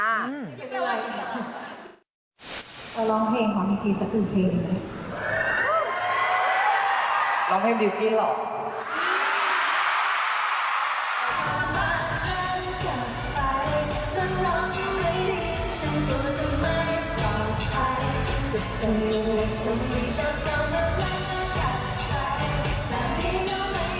ไปร้องเพลงของพี่พีชสักครู่เพลงหน่อย